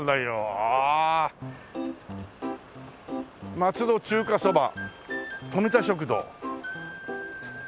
「松戸中華そば富田食堂」